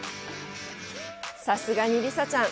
さすがにリサちゃん